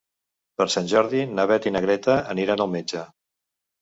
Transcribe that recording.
Per Sant Jordi na Beth i na Greta aniran al metge.